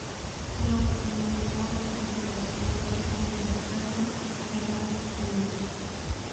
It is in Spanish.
Se obtiene por trituración del endospermo de las semillas.